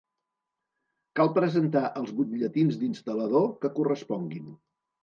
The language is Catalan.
Cal presentar els butlletins d'instal·lador que corresponguin.